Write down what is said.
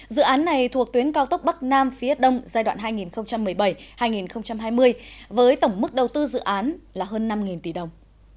dự án này thuộc tuyến cao tốc bắc nam phía đông giai đoạn hai nghìn một mươi bảy hai nghìn hai mươi với tổng mức đầu tư dự án là hơn năm tỷ đồng